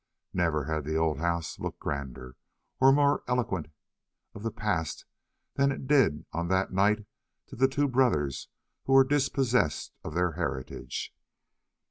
Never had the old house looked grander or more eloquent of the past than it did on that night to the two brothers who were dispossessed of their heritage.